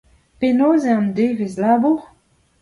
Penaos eo an devezh labour ?